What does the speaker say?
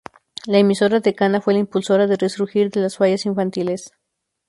La emisora decana fue la impulsora del resurgir de las fallas infantiles.